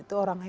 itu orang hebat